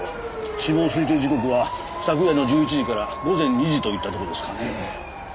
死亡推定時刻は昨夜の１１時から午前２時といったとこですかね。